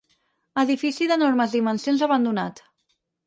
Edifici d'enormes dimensions abandonat.